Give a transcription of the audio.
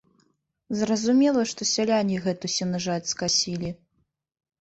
Зразумела, што сяляне гэту сенажаць скасілі.